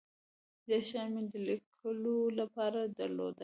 ډیر شیان مې د لیکلو له پاره درلودل.